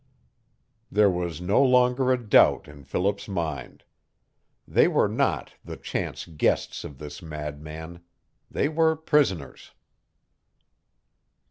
There was no longer a doubt in Philip's mind. They were not the chance guests of this madman. They were prisoners.